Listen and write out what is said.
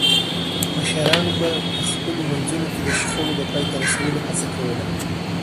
مشرانو به په خپلو منځونو کي د شخړو د پای ته رسولو هڅه کوله.